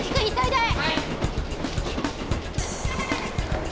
はい！